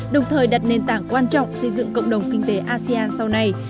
đồng thời đặt nền tảng quan trọng xây dựng cộng đồng kinh tế asean sau này